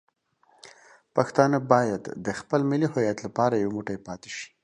پښتانه باید د خپل ملي هویت لپاره یو موټی پاتې شي.